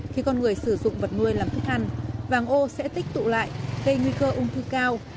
khi con người sử dụng vật nuôi làm thức ăn vàng ô sẽ tích tụ lại gây nguy cơ ung thư cao